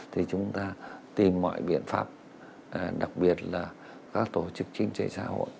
thì chúng ta tìm mọi biện pháp đặc biệt là các tổ chức chính trị xã hội